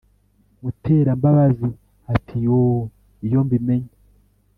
Muterambabazi ati"Yooh iyombimenya